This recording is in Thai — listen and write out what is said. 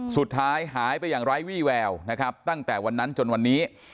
สุดท้ายหายไปอย่างไร้วี่แววนะครับตั้งแต่วันนั้นจนวันนี้